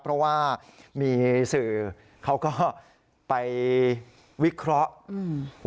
เพราะว่ามีสื่อเขาก็ไปวิเคราะห์อืม